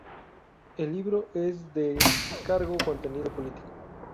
El libro es de cargado contenido político.